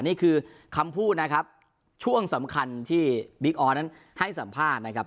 นี่คือคำพูดนะครับช่วงสำคัญที่บิ๊กออสนั้นให้สัมภาษณ์นะครับ